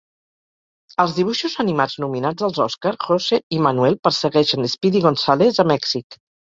Als dibuixos animats nominats als Òscar, Jose i Manuel persegueixen Speedy Gonzales a Mèxic.